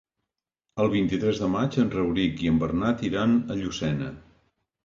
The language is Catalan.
El vint-i-tres de maig en Rauric i en Bernat iran a Llucena.